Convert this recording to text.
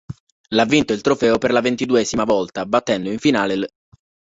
L' ha vinto il trofeo per la ventiduesima volta, battendo in finale l'.